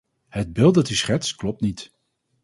Het beeld dat u schetst, klopt niet.